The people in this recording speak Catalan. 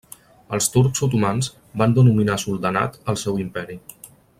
Els turcs otomans van denominar soldanat el seu imperi.